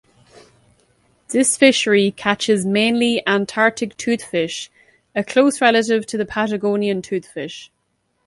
This fishery catches mainly Antarctic toothfish, a close relative to the Patagonian toothfish.